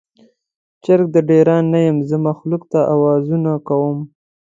چرګ د ډیران نه یم، زه مخلوق ته اوازونه کوم